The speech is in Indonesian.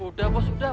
sudah bos sudah